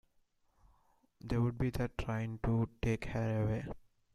There would be the train to take her away.